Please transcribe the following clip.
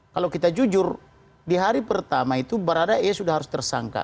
kalau kita jujur di hari pertama itu baradae sudah harus tersangka